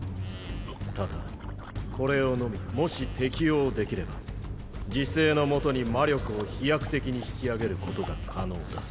ただこれを飲みもし適応できれば自制の下に魔力を飛躍的に引き上げることが可能だ。